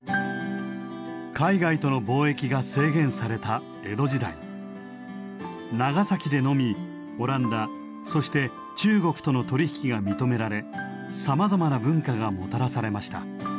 海外との貿易が制限された江戸時代長崎でのみオランダそして中国との取り引きが認められさまざまな文化がもたらされました。